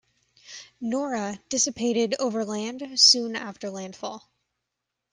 Nora dissipated over land soon after landfall.